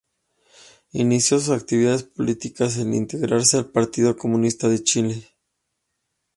Inició sus actividades políticas al integrarse al Partido Comunista de Chile.